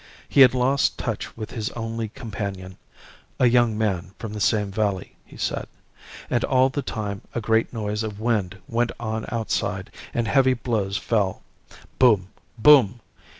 He had lost touch with his only companion (a young man from the same valley, he said), and all the time a great noise of wind went on outside and heavy blows fell boom! boom!